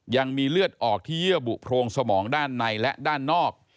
ยังมีเลือดออกที่เยื่อบุโพรงสมองด้านในและด้านนอก